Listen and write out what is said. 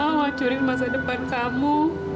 aku gak mau hancurin masa depan kamu